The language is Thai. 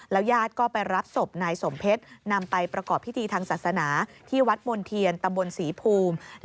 ญาติก็ไปรับศพนายสมเพชรนำไปประกอบพิธีทางศาสนาที่วัดมณ์เทียนตำบลศรีภูมิ